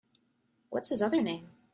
What’s his other name?